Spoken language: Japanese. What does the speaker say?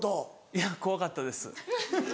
いや怖かったです。